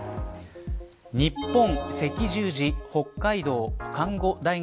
日本赤十字北海道看護大学